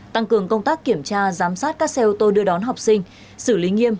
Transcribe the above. tăng cường công tác kiểm tra giám sát các xe ô tô đưa đón học sinh xử lý nghiêm